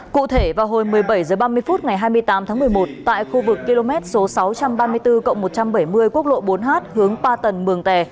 cụ thể vào hồi một mươi bảy h ba mươi phút ngày hai mươi tám tháng một mươi một tại khu vực km số sáu trăm ba mươi bốn một trăm bảy mươi quốc lộ bốn h hướng ba tầng mường tè